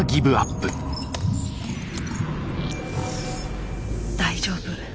心の声大丈夫。